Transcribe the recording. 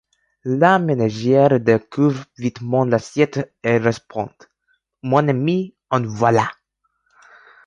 La mesnaigiere descouvre vitement l’assiette et respond : Mon amy, en voilà !